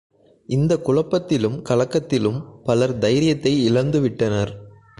இந்தக் குழப்பத்திலும் கலக்கத்திலும், பலர் தைரியத்தை இழந்து விட்டனர்.